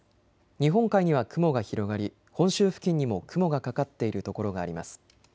日本海には雲が広がり本州付近にも雲がかかっている所があります。